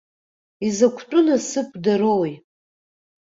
Изакәтәы насыԥдарои?!